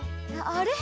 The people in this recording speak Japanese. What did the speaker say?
あれ？